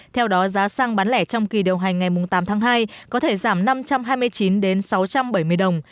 theo đó giá xăng bán lẻ trong kỳ điều hành ngày tám tháng hai có thể giảm năm trăm hai mươi chín sáu trăm bảy mươi đồng